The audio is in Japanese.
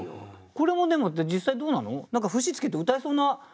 これもでも実際どうなの？